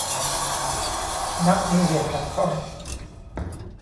มักมีเหตุขัดข้อง